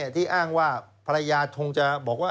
ที่อ้างว่าภรรยาคงจะบอกว่า